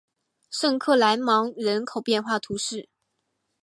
圣克莱芒人口变化图示